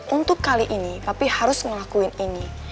untuk kali ini tapi harus ngelakuin ini